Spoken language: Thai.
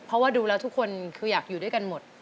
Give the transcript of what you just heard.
เพราะว่าดูแล้วทุกคนคืออยากอยู่ด้วยกันหมด